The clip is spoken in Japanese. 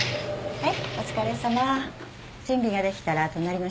はい。